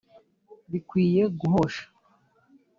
bikwiye guhosha